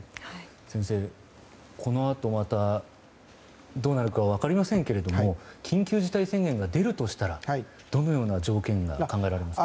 先生、このあとまたどうなるか分かりませんけれども緊急事態宣言が出るとしたらどのような条件が考えられますか。